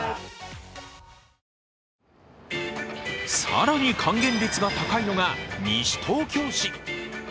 更に還元率が高いのが西東京市。